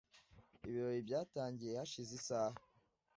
Ibirori byatangiye hashize isaha .